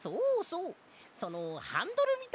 そのハンドルみたいなもの。